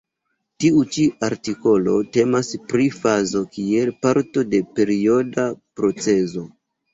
Tiu ĉi artikolo temas pri fazo kiel parto de perioda procezo.